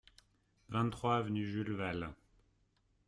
vingt-trois avenue Jules Valles